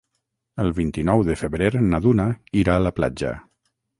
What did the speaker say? El vint-i-nou de febrer na Duna irà a la platja.